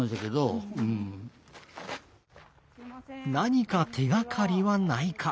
何か手がかりはないか？